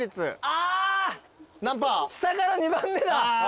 あ下から２番目だ。